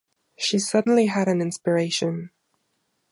She suddenly had an inspiration.